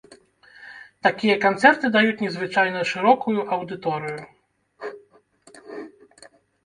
Такія канцэрты даюць незвычайна шырокую аўдыторыю.